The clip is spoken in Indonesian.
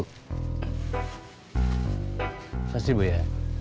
terima kasih bu ya